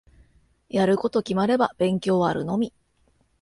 やること決まれば勉強あるのみ。